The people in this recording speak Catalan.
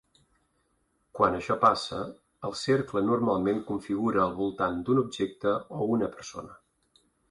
Quan això passa, el cercle normalment configura al voltant d'un objecte o una persona.